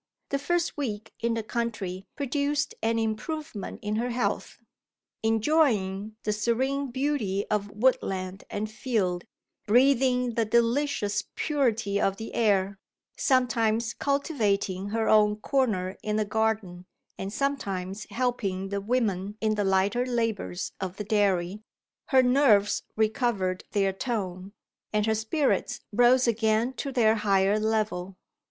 The first week in the country produced an improvement in her health. Enjoying the serene beauty of woodland and field, breathing the delicious purity of the air sometimes cultivating her own corner in the garden, and sometimes helping the women in the lighter labours of the dairy her nerves recovered their tone, and her spirits rose again to their higher level.